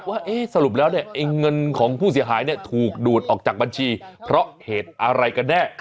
ว่าสรุปแล้วเนี่ยไอ้เงินของผู้เสียหายถูกดูดออกจากบัญชีเพราะเหตุอะไรกันแน่